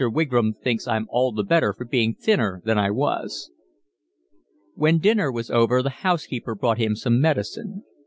Wigram thinks I'm all the better for being thinner than I was." When dinner was over the housekeeper brought him some medicine.